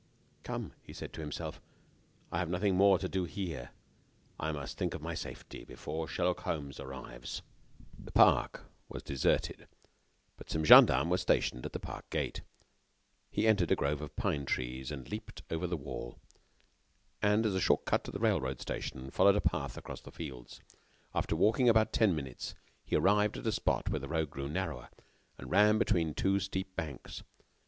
"Come!" he said to himself, "I have nothing more to do here. I must think of my safety, before Sherlock Holmes arrives." The park was deserted, but some gendarmes were stationed at the park gate. He entered a grove of pine trees, leaped over the wall, and, as a short cut to the railroad station, followed a path across the fields. After walking about ten minutes, he arrived at a spot where the road grew narrower and ran between two steep banks.